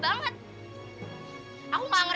yang aku punya